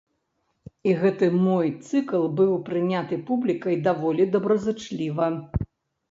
І гэты мой цыкл быў прыняты публікай даволі добразычліва.